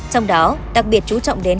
trong đó đặc biệt chú trọng đến